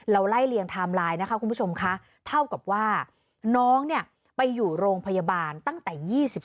ไล่เลียงไทม์ไลน์นะคะคุณผู้ชมค่ะเท่ากับว่าน้องเนี่ยไปอยู่โรงพยาบาลตั้งแต่๒๓